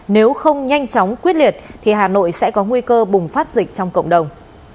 nếu không nhanh chóng quyết liệt thì hà nội sẽ có nguy cơ bùng phát dịch trong cộng đồng